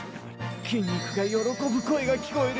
筋肉が喜ぶ声が聞こえる！